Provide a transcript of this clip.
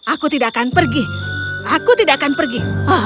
aku tidak akan pergi aku tidak akan pergi